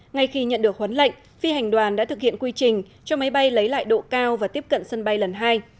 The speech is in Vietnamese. ngay khi nhận được huấn lệnh phi hành đoàn đã thực hiện quy trình cho máy bay lấy lại độ cao và tiếp cận sân bay lần hai